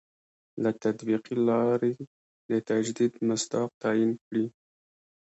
له تطبیقي لاري د تجدید مصداق تعین کړي.